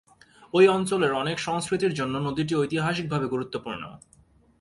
ঐ অঞ্চলের অনেক সংস্কৃতির জন্য নদীটি ঐতিহাসিকভাবে গুরুত্বপূর্ণ।